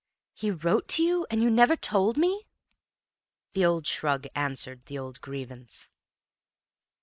"He wrote to you! And you never told me!" The old shrug answered the old grievance.